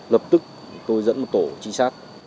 lập tức tôi dẫn một tổ trinh sát